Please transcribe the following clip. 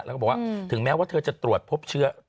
แล้วก็บอกว่าถึงแม้ว่าเธอจะตรวจพบเชื้อ